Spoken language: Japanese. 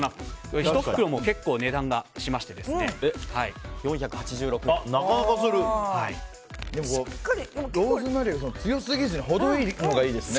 １袋も結構値段がしまして４８６円です。